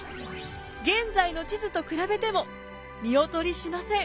現在の地図と比べても見劣りしません。